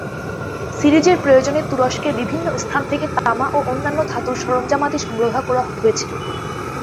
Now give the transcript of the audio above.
সিরিজের প্রয়োজনে তুরস্কের বিভিন্ন স্থান থেকে তামা ও অন্যান্য ধাতুর সরঞ্জামাদি সংগ্রহ করা হয়েছিলো।